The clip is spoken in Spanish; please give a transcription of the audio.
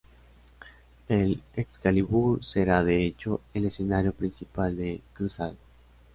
El Excalibur será de hecho el escenario principal de Crusade.